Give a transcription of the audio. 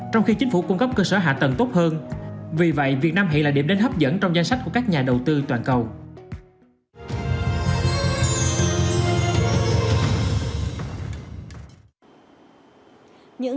trong khi chính phủ cung cấp cơ sở hạ tầng tốt hơn vì vậy việt nam hiện là điểm đến hấp dẫn trong danh sách của các nhà đầu tư toàn cầu